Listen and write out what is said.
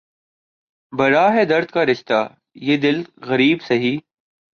بڑا ہے درد کا رشتہ یہ دل غریب سہی